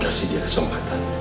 kasih dia kesempatan